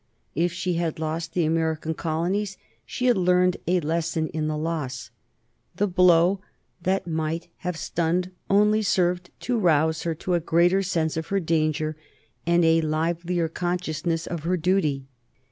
If she had lost the American colonies she had learned a lesson in the loss. The blow that might have stunned only served to rouse her to a greater sense of her danger and a livelier consciousness of her duty.